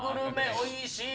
おいしい